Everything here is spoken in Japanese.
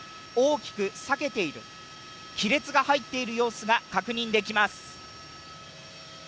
大きく裂けている亀裂が入っている様子が確認できます。